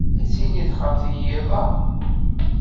Ad tili texxamt i yiḍ-a?